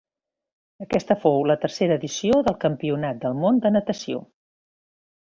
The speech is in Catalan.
Aquesta fou la tercera edició del Campionat del Món de natació.